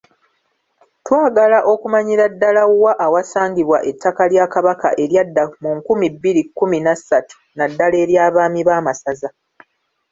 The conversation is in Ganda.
Twagala okumanyira ddala wa awasangibwa ettaka lya Kabaka eryadda mu nkumi bbiri mu kkuni na ssatu, naddala eryabaami b’amasaza.